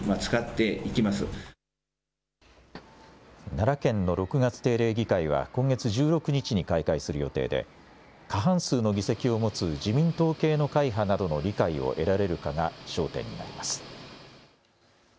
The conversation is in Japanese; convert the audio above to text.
奈良県の６月定例議会は今月１６日に開会する予定で過半数の議席を持つ自民党系の会派などの理解を得られるかが焦点になります。